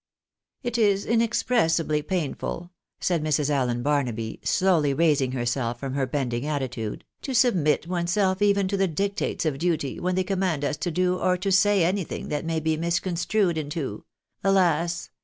" It is inexpressibly painful," said Mrs. Allen Barnaby, slowly raising herself from her bending attitude, "to submit oneself even to the dictates of duty when they command us to do or to say any thing that may be misconstrued into — alas